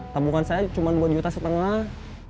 tabungan saya cuma dua juta setengah